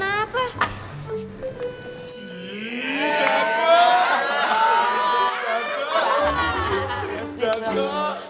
btw bola apapun rajin bagus buat bisa ternyata bagus